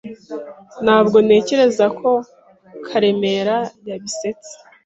Ntabwo ntekereza ko Karemera yabisetsa.